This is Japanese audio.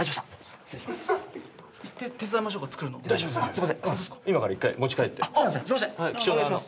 失礼します。